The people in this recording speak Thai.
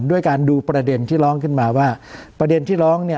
ด้วยการดูประเด็นที่ร้องขึ้นมาว่าประเด็นที่ร้องเนี่ย